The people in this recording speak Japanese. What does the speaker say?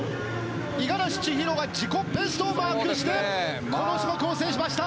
五十嵐千尋が自己ベストをマークしてこの種目を制しました。